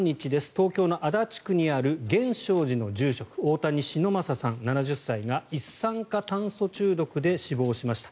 東京の足立区にある源証寺の住職、大谷忍昌さん、７０歳が一酸化炭素中毒で死亡しました。